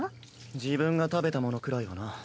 自分が食べたものくらいはな。